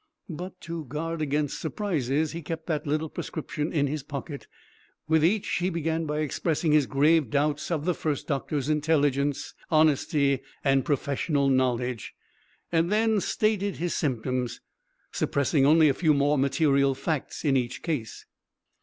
But to guard against surprises he kept that little prescription in his pocket. With each he began by expressing his grave doubts of the first doctor's intelligence, honesty and professional knowledge, and then stated his symptoms, suppressing only a few more material facts in each case.